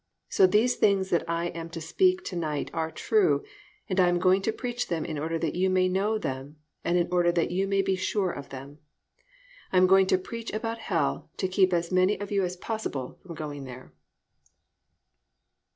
So these things that I am to speak to night are true and I am going to preach them in order that you may know them, and in order that you may be sure of them. I am going to preach about hell to keep as many of you as possible from going there.